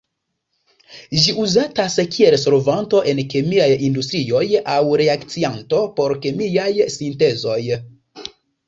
Ĝi uzatas kiel solvanto en kemiaj industrioj aŭ reakcianto por kemiaj sintezoj.